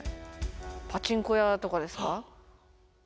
パチンコ屋とかですか？